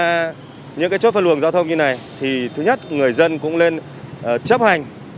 ra những cái chốt phân luồng giao thông như này thì thứ nhất người dân cũng nên chấp hành